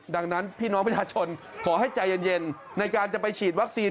ดังนั้นพี่น้องประชาชนขอให้ใจเย็นในการจะไปฉีดวัคซีน